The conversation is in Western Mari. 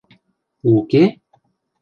– Уке?